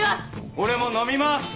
俺も飲みます！